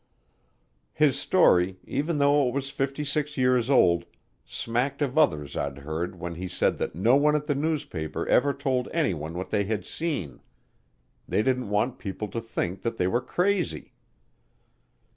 His story, even though it was fifty six years old, smacked of others I'd heard when he said that no one at the newspaper ever told anyone what they had seen; they didn't want people to think that they were "crazy."